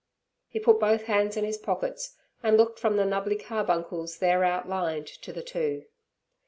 He put both hands in his pockets, and looked from the nubbly carbuncles there outlined to the two.